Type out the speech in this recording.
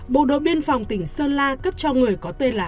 bộ đội biên phòng tỉnh sơn la cấp cho người có tên là